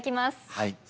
はい。